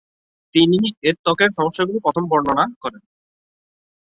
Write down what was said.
তিনি এর ত্বকের সমস্যাগুলো প্রথম বর্ণনা করেন।